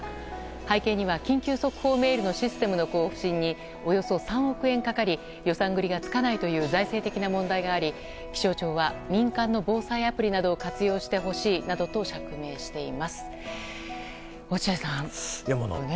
背景には緊急速報メールのシステムの更新におよそ３億円かかり予算繰りがつかないという財政的な問題があり気象庁は民間の防災アプリなどをないと困るんですけどね。